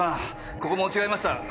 ここも違いました。